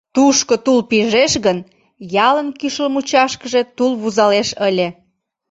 Тушко тул пижеш гын, ялын кӱшыл мучашкыже тул вузалеш ыле.